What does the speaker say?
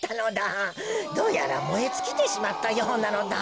どうやらもえつきてしまったようなのだ。